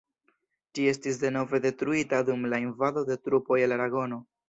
Ĝi estis denove detruita dum la invado de trupoj el aragono.